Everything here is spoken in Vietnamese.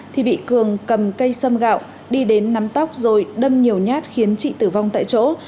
thì bị cường cầm cây sâm gạo đi đến nắm tóc rồi đâm nhiều nhát khiến chị tử vong tại chỗ